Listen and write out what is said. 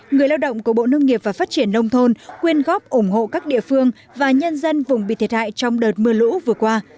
người lao động của bộ nông nghiệp và phát triển nông thôn quyên góp ủng hộ các địa phương và nhân dân vùng bị thiệt hại trong đợt mưa lũ vừa qua